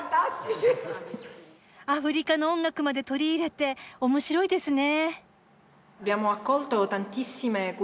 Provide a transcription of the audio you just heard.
アフリカの音楽まで取り入れて面白いですね。